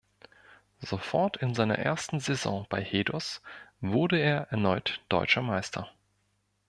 Sofort in seiner ersten Saison bei Hedos wurde er erneut deutscher Meister.